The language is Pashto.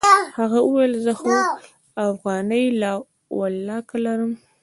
هغه وويل زه خو اوغانۍ لا ولله که لرم.